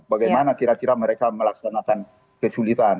bagaimana kira kira mereka melaksanakan kesulitan